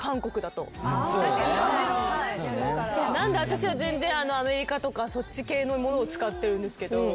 なんで私はアメリカとかそっち系のものを使ってるんですけど。